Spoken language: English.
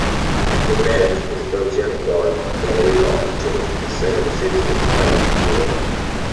He met his Belgian wife Dalila during his second season playing in Europe.